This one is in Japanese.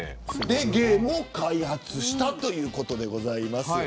で、ゲームを開発したということです。